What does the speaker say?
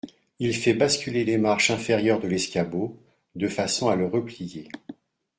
Il fait basculer les marches inférieures de l’escabeau, de façon à le replier.